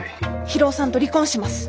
博夫さんと離婚します。